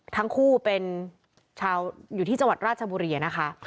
ทั้งคู่เป็นชาวอยู่ที่จังหวัดราชบุรีนะคะ